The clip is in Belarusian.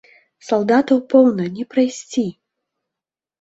Салдатаў поўна, не прайсці.